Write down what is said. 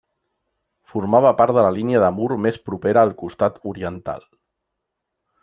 Formava part de la línia de mur més propera al costat oriental.